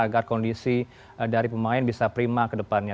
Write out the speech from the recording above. agar kondisi dari pemain bisa prima ke depannya